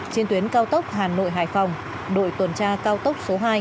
trên tuyến cao tốc hà nội hải phòng đội tuần tra cao tốc số hai